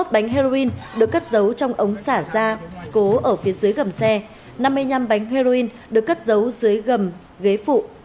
hai mươi bánh heroin được cất giấu trong ống xả ra cố ở phía dưới gầm xe năm mươi năm bánh heroin được cất giấu dưới gầm ghế phụ